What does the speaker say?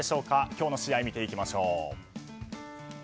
今日の試合を見ていきましょう。